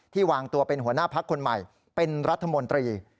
วางตัวเป็นหัวหน้าพักคนใหม่เป็นรัฐมนตรี